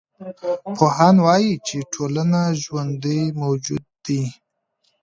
پوهان وايي چي ټولنه ژوندی موجود دی.